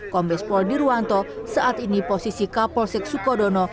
kombes pol dirwanto saat ini posisi kapolsek sukodono